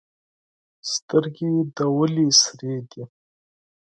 سترګي دي ولي سرې دي؟